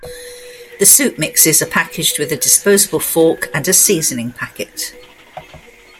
The soup mixes are packaged with a disposable fork and a seasoning packet.